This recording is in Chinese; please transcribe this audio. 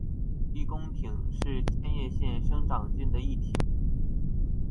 一宫町是千叶县长生郡的一町。